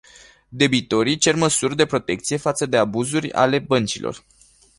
Debitorii cer măsuri de protecție față de abuzuri ale băncilor.